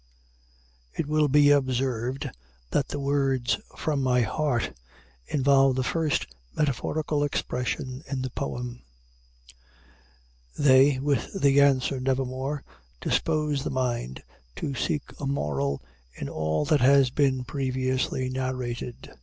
It will be observed that the words, "from out my heart," involve the first metaphorical expression in the poem. They, with the answer, "Nevermore," dispose the mind to seek a moral in all that has been previously narrated.